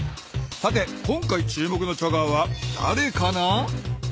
さて今回注目のチャガーはだれかな？